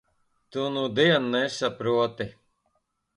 Tu nudien nesaproti.